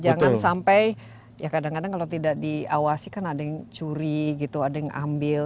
jangan sampai ya kadang kadang kalau tidak diawasi kan ada yang curi gitu ada yang ambil